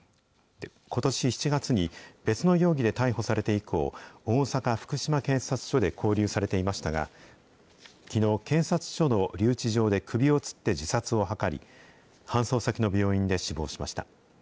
ことし７月に、別の容疑で逮捕されて以降、大阪・福島警察署で勾留されていましたが、きのう、警察署の留置所で首をつって自殺を図り、搬送先の病院で死亡しました。